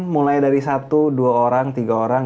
mulai dari satu dua orang tiga orang